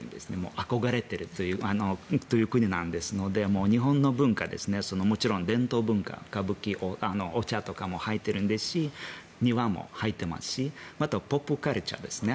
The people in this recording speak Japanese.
憧れているという国なので日本の文化、もちろん伝統文化歌舞伎、お茶とかも入っていますし庭も入っていますしまた、ポップカルチャーですね。